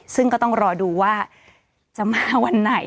ซึ่งก็ต้องรอดูว่าจะมาวันไหน